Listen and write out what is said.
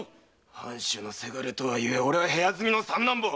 藩主の伜とはいえ俺は部屋住みの三男坊。